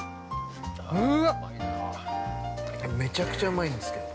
うーわめちゃくちゃうまいんですけど。